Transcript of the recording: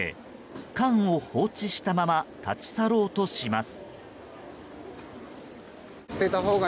缶を放置したまま立ち去ろうとします。